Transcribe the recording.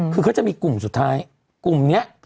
คือเขาจะมีกลุ่มสุดท้ายกลุ่มนี้